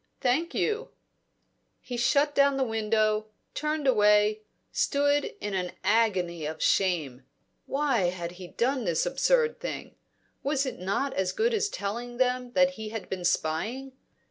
"Thank you." He shut down the window, turned away, stood in an agony of shame. Why had he done this absurd thing? Was it not as good as telling them that he had been spying?